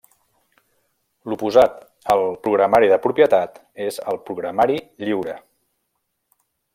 L'oposat al programari de propietat és el programari lliure.